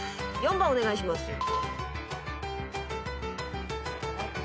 ４番お願いします。